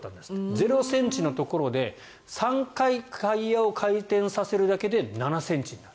０ｃｍのところで３回、タイヤを回転させるだけで７ｃｍになる。